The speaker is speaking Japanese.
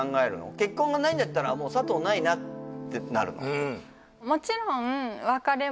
結婚がないんだったらもう佐藤ないなってなるの？